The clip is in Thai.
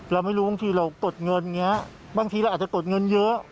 เราไม่รู้บางทีเรากดเงินอย่างนี้บางทีเราอาจจะกดเงินเยอะ